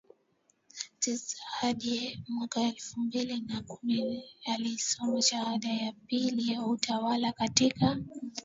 tisa hadi mwaka elfu mbili na kumi alisoma shahada ya pili ya utawala katika